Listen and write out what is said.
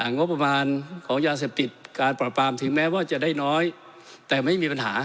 งบประมาณของยาเสพติดการปราบปรามถึงแม้ว่าจะได้น้อยแต่ไม่มีปัญหา